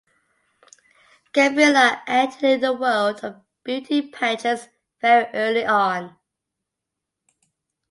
Gabriela entered in the world of beauty pageants very early on.